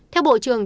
theo bộ trường